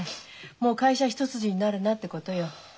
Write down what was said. もう会社一筋になるなってことよ。